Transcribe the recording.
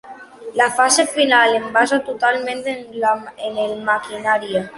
La fase final es basa totalment en el maquinari.